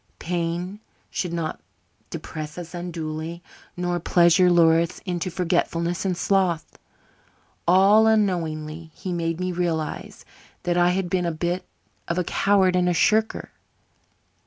Pain should not depress us unduly, nor pleasure lure us into forgetfulness and sloth. All unknowingly he made me realize that I had been a bit of a coward and a shirker.